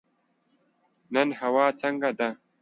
نن هوا څنګه ده؟